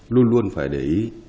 luôn luôn phải để ý